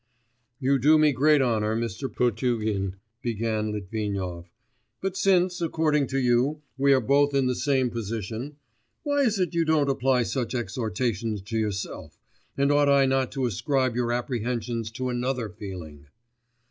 'You do me great honour, Mr. Potugin,' began Litvinov, 'but since, according to you, we are both in the same position, why is it you don't apply such exhortations to yourself, and ought I not to ascribe your apprehensions to another feeling?